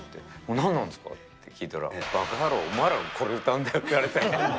何なんですかって聞いたら、ばか野郎、お前らがこれ歌うんだよって言われて。